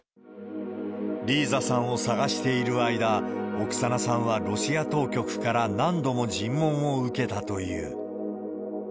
リーザさんを捜している間、オクサナさんはロシア当局から何度も尋問を受けたという。